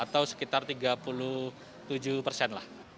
atau sekitar tiga puluh tujuh persen lah